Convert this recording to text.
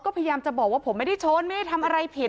ก็พยายามจะบอกว่าผมไม่ได้ชนไม่ได้ทำอะไรผิด